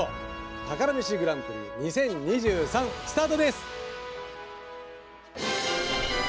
「宝メシグランプリ２０２３」スタートです。